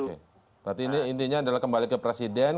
berarti ini intinya adalah kembali ke presiden